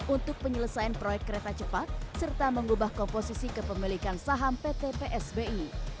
untuk penyelesaian proyek kereta cepat serta mengubah komposisi kepemilikan saham pt psbi